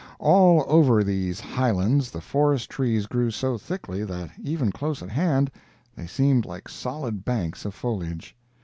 All over these highlands the forest trees grew so thickly that, even close at hand, they seemed like solid banks of foliage.